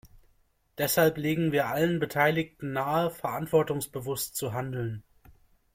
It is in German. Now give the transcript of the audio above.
Deshalb legen wir allen Beteiligten nahe, verantwortungsbewusst zu handeln.